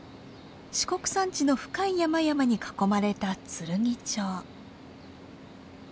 四国山地の深い山々に囲まれたつるぎ町。